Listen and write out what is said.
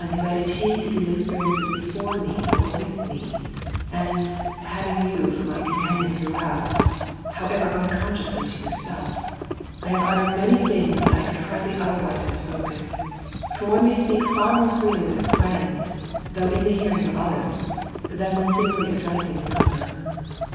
who had attained these experiences before me or with me; and, having you for my companion throughout, (however unconsciously to yourself), I have uttered many things that I could hardly otherwise have spoken : for one may speak far more freely with a friend, though in the hearing of others, than when singly addressing a number.